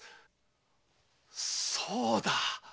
そうだ！